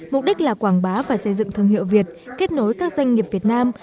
mục đích là quảng bá và xây dựng thương hiệu việt kết nối các doanh nghiệp việt nam